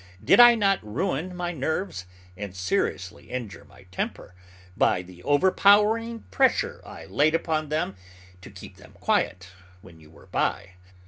Did I not ruin my nerves, and seriously injure my temper, by the overpowering pressure I laid upon them to keep them quiet when you were by?